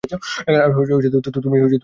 আর তুমিই সুরক্ষিত হয়ে আছো।